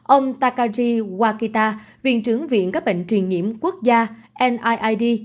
ông takaji wakita viện trưởng viện các bệnh truyền nhiễm quốc gia niid